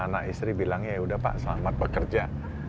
anak istri bilangnya ya udah pak selamat bekerja